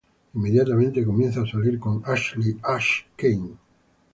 Inmediatamente comienza a salir con Ashleigh "Ash" Kane.